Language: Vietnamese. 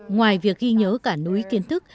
ngoài việc ghi nhớ cả núi kiến thức